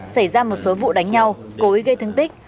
xảy ra một số vụ đánh nhau cố ý gây thương tích